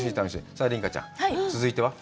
さあ琳加ちゃん、続いては？